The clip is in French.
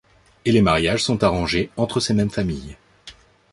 Et les mariages sont arrangés entre ces mêmes familles.